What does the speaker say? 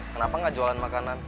kenapa nggak jualan makanan